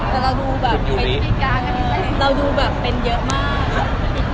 แต่เราดูแบบเป็นเยอะมาก